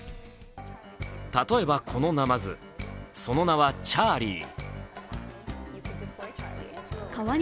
例えばこのなまず、その名はチャーリー。